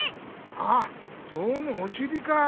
ああゾウのおしりか！